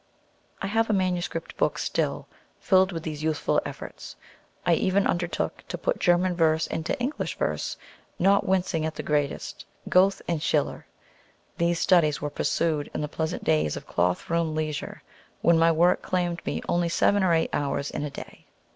I have a manuscript book still, filled with these youthful efforts. I even undertook to put German verse into English verse, not wincing at the greatest Goethe and Schiller. These studies were pursued in the pleasant days of cloth room leisure, when my work claimed me only seven or eight hours in a day.